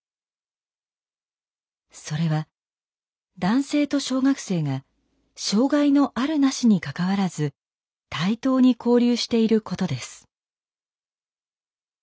それは男性と小学生が障害のあるなしに関わらず対等に交流していることです。